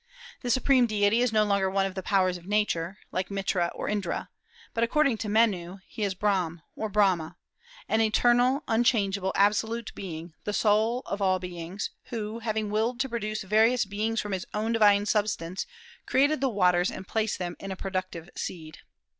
The supreme deity is no longer one of the powers of Nature, like Mitra or Indra, but according to Menu he is Brahm, or Brahma, "an eternal, unchangeable, absolute being, the soul of all beings, who, having willed to produce various beings from his own divine substance, created the waters and placed in them a productive seed.